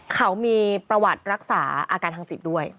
เขามีประวัติรักษาอาการทางจิตด้วย